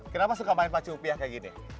kenapa suka main pacu upiah kayak gini